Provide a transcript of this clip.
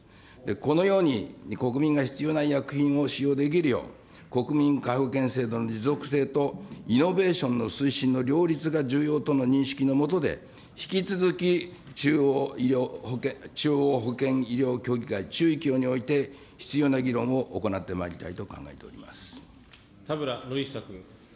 このように国民が必要な医薬品を使用できるよう、国民皆保険制度の持続性とイノベーションの推進の両立が重要との認識のもとで、引き続き中央医療保険医療協議会、中医協において、必要な議論を行田村憲久君。